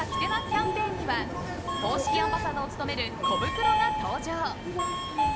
キャンペーンには公式アンバサダーを務めるコブクロが登場。